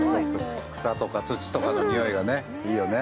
草とか土とかのにおいがいいよね。